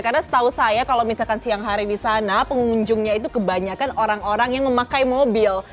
karena setahu saya kalau misalkan siang hari di sana pengunjungnya itu kebanyakan orang orang yang memakai mobil